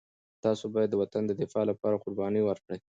تاسو باید د وطن د دفاع لپاره قرباني ورکړئ.